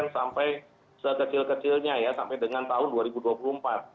sampai sekecil kecilnya ya sampai dengan tahun dua ribu dua puluh empat